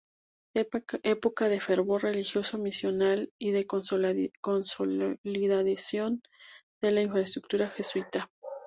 Época de fervor religioso misional y de consolidación de la infraestructura jesuita.